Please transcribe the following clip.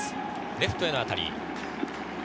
レフトへの当たり。